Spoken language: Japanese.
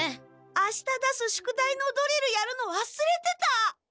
明日出す宿題のドリルやるのわすれてた。